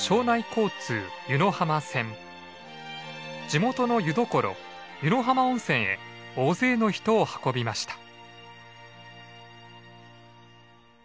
地元の湯どころ湯野浜温泉へ大勢の人を運びました。